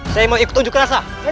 saya mau ikut unjuk rasa